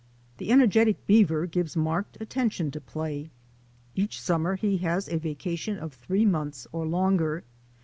The energetic beaver gives marked attention to play. Each summer he has a vacation of three months or longer.